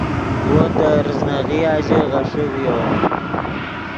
وو دے ریزناغیا ژے غیݰے ڤیو